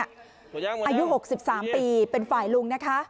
อายุ๖๓ปีเป็นฝ่ายลุงนะคะ